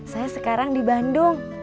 saya sekarang di bandung